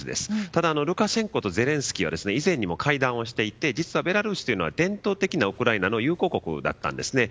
ただ、ルカシェンコとゼレンスキーは以前にも会談をしていて実はベラルーシというのは伝統的なウクライナの友好国だったんですね。